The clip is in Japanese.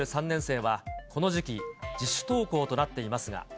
３年生はこの時期、自主登校となっていますが。